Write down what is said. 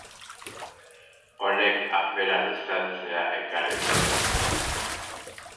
Honek afera luzatzea ekarri zuen.